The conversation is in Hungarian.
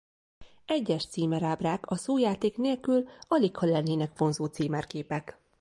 Egyes címerábrák a szójáték nélkül aligha lennének vonzó címerképek.